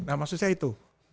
nah maksud saya itu